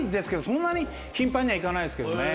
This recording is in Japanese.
そんなに頻繁には行かないですけどね。